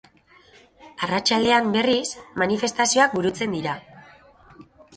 Arratsaldean, berriz, manifestazioak burutzen dira.